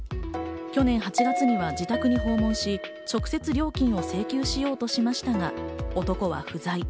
去年８月には自宅に訪問し、直接料金を請求しようとしましたが、男は不在。